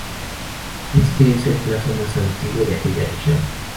Este es el pazo más antiguo de aquella región.